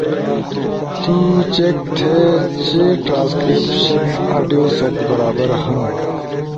تو چیک تھے چی ٹرانسکریپشن آڈیو ست برابر ہنو